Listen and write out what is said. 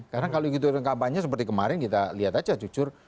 karena kalau ikutan kampanye seperti kemarin kita lihat aja jujur